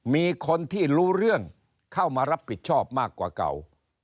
มีคนที่รู้เรื่องเข้ามารับผิดชอบมากกว่าเก่า